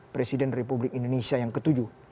presiden republik indonesia yang ketujuh